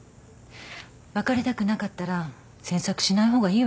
別れたくなかったら詮索しない方がいいわよ。